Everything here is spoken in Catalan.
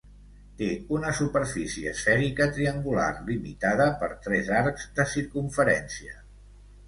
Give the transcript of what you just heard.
Té una superfície esfèrica triangular limitada per tres arcs de circumferència.